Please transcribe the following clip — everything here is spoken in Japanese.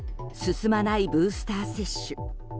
進まないブースター接種。